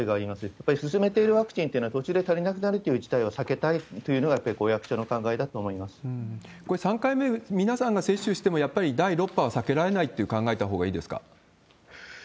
やっぱり進めているワクチンというのは、途中で足りなくなるっていう事態を避けたというのが、やっぱり役これ、３回目、皆さんが接種しても、やっぱり第６波は避けられないと考えたほうがいいですか？